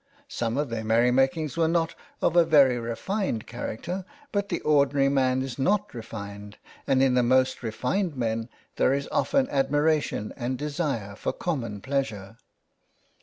Some of their merry makings were not of a very refined character, but the ordinary man is not refined and in the most refined men there is often admiration and desire for common pleasure.